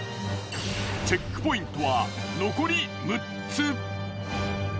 チェックポイントは残り６つ。